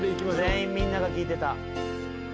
全員みんなが聞いてた。